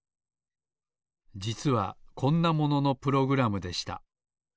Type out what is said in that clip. じつはこんなもののプログラムでした。